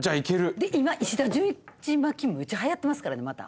で今石田純一巻きむっちゃはやってますからねまた。